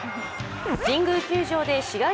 神宮球場で試合